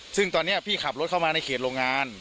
ซึ่งตอนนี้พี่ขับรถเข้ามาในเขตโรงงาน